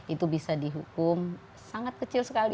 itu bisa dihukum sangat kecil sekali